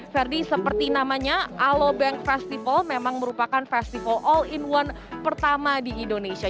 verdi seperti namanya alobank festival memang merupakan festival all in one pertama di indonesia